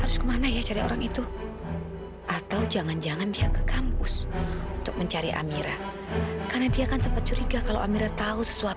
sampai jumpa di video selanjutnya